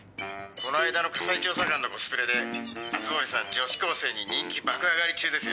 この間の火災調査官のコスプレで熱護さん女子高生に人気爆上がり中ですよね。